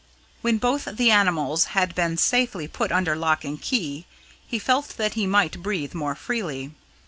When both the animals had been safely put under lock and key, he felt that he might breathe more freely.